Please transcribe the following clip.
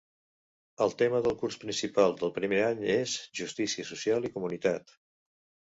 El tema del curs principal de primer any és "Justícia Social i Comunitat".